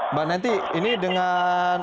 mbak nanti ini dengan